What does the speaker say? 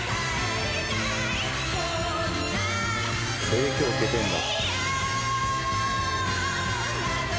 「影響受けてんだ」